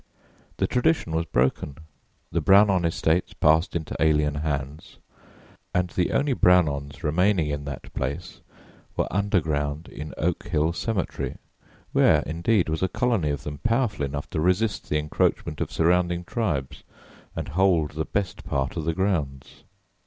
The tradition was broken, the Brownon estates passed into alien hands, and the only Brownons remaining in that place were underground in Oak Hill Cemetery, where, indeed, was a colony of them powerful enough to resist the encroachment of surrounding tribes and hold the best part of the grounds.